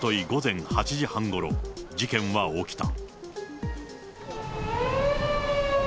午前８時半ごろ、事件は起きた。